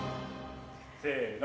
せの。